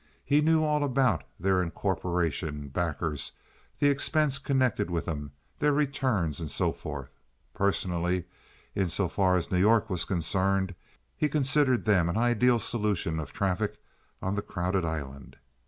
He knew all about their incorporation, backers, the expense connected with them, their returns, and so forth. Personally, in so far as New York was concerned, he considered them an ideal solution of traffic on that crowded island.